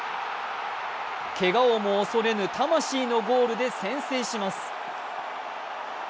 けがを恐れぬ魂のゴールで先制します。